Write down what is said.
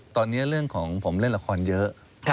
ตอนนี้เรื่องของผมเล่นละครเยอะ